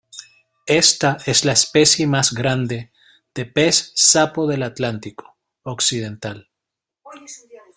Esta es la especie más grande de pez sapo del Atlántico occidental.